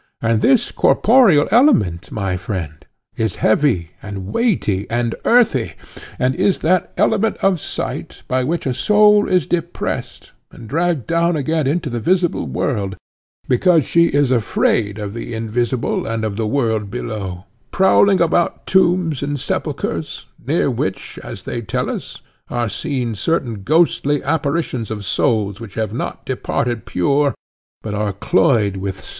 And this corporeal element, my friend, is heavy and weighty and earthy, and is that element of sight by which a soul is depressed and dragged down again into the visible world, because she is afraid of the invisible and of the world below—prowling about tombs and sepulchres, near which, as they tell us, are seen certain ghostly apparitions of souls which have not departed pure, but are cloyed with sight and therefore visible.